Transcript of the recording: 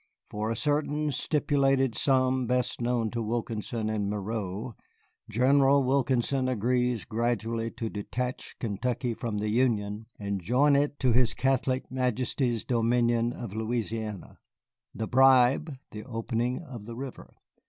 For a certain stipulated sum best known to Wilkinson and Miro, General Wilkinson agrees gradually to detach Kentucky from the Union and join it to his Catholic Majesty's dominion of Louisiana. The bribe the opening of the river.